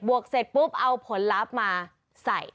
วกเสร็จปุ๊บเอาผลลัพธ์มาใส่